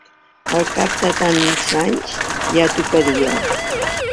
Al cap de tants anys, ja tocaria.